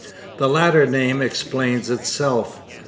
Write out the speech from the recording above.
The latter name explains itself.